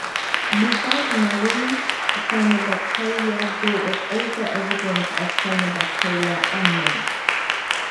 Besides marine cyanobacteria, there is also evidence of cyanobacteria on land.